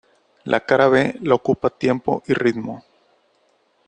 La cara B la ocupa Tiempo y ritmo.